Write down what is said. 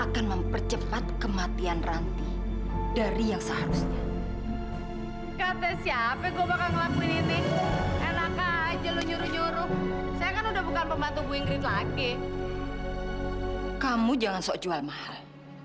kamu jangan sok jual mahal